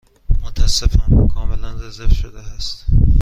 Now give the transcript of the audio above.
متأسفم، کاملا رزرو شده است.